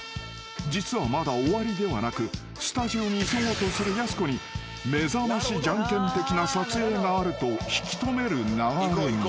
［実はまだ終わりではなくスタジオに急ごうとするやす子にめざましじゃんけん的な撮影があると引き留める流れに］